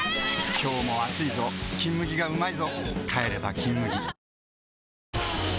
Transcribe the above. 今日も暑いぞ「金麦」がうまいぞ帰れば「金麦」